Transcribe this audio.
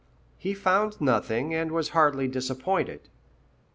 He found nothing, and was hardly disappointed.